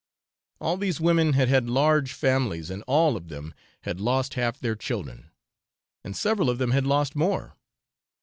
All these women had had large families, and all of them had lost half their children, and several of them had lost more.